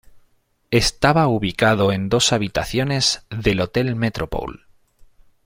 Estaba ubicado en dos habitaciones del Hotel Metropole.